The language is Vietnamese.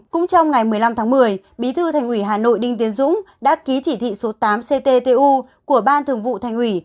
cũng trong ngày một mươi năm tháng một mươi bí thư thành ủy hà nội đinh tiến dũng đã ký chỉ thị số tám cttu của ban thường vụ thành ủy